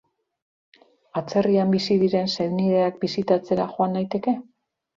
Atzerrian bizi diren senideak bisitatzera joan naiteke?